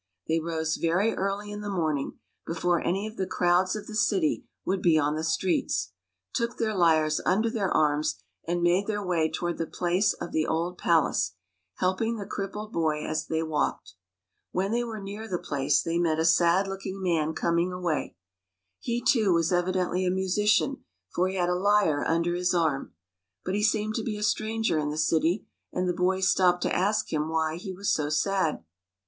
They rose very early in the morning, before any of the crowds of the city would be on the streets, took their lyres under their arms, and made their way toward the place of the old palace, helping the crippled boy as they walked. When they were near the place, they met a sad looking man coming away. He, too, was evidently a. musician, for he had a lyre under his arm. But be seemed to be a stranger in the city, and the boys stopped to ask him why he was so sad.